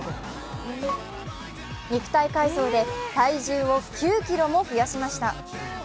肉体改造で体重を９ｋｇも増やしました。